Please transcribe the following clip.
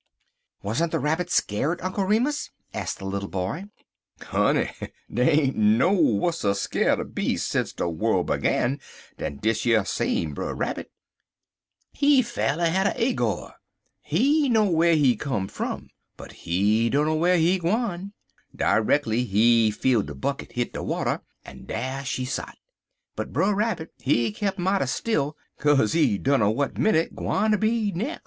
"Wasn't the Rabbit scared, Uncle Remus?" asked the little boy. "Honey, dey ain't been no wusser skeer'd beas' sence de worl' begin dan dish yer same Brer Rabbit. He fa'rly had a agur. He know whar he cum fum, but he dunner whar he gwine. Dreckly he feel de bucket hit de water, en dar she sot, but Brer Rabbit he keep mighty still, kaze he dunner w'at minnit gwineter be de nex'.